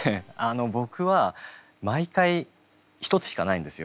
僕は毎回一つしかないんですよ。